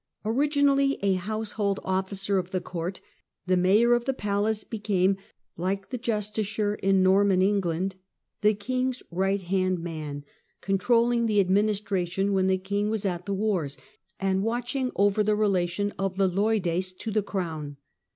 Originally a household officer of the Court, he Mayor of the Palace became, like the Justiciar in Tornian England, the king's right hand man, control ng the administration when the king was at the wars, nd watching over the relation of the leudes to the rown.